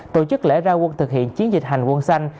tổ chức lễ ra quân thực hiện chiến dịch hành quân xanh